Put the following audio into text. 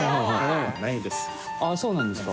あぁそうなんですか。